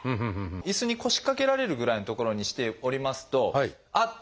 椅子に腰掛けられるぐらいの所にしておりますとあっ！